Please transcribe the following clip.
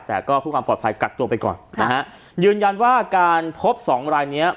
แต่ก็เพื่อความปลอดภัยกักตัวไปก่อนนะฮะยืนยันว่าการพบสองรายเนี้ย